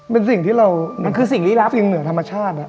เป็นสิ่งที่เราสิ่งเหนือธรรมชาติ